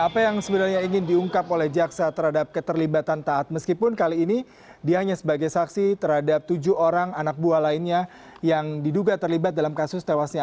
apa yang sebenarnya ingin diungkap oleh jaksa terhadap keterlibatan taat meskipun kali ini dia hanya sebagai saksi terhadap tujuh orang anak buah lainnya yang diduga terlibat dalam kasus tewasnya